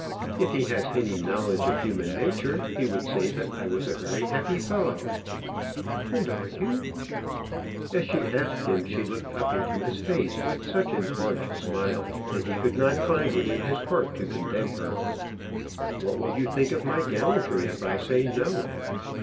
"If he has any knowledge of human nature, he would say that I was a very happy fellow." "And are you?" As she asked him, she looked up into his face with such an arch smile that he could not find it in his heart to condemn her. "What will you think of my gallantry if I say no?"